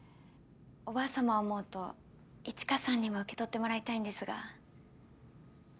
おばあさまを思うと一華さんにも受け取ってもらいたいんですが。